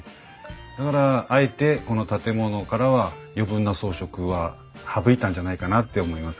だからあえてこの建物からは余分な装飾は省いたんじゃないかなって思います。